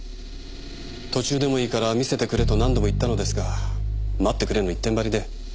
途中でもいいから見せてくれと何度も言ったのですが待ってくれの一点張りで。